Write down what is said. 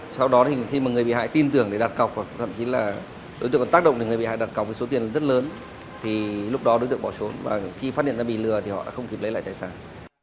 sau đó thì khi mà người bị hại tin tưởng để đặt cọc hoặc thậm chí là đối tượng còn tác động thì người bị hại đặt cọc với số tiền rất lớn thì lúc đó đối tượng bỏ trốn và khi phát hiện ra bị lừa thì họ đã không kịp lấy lại tài sản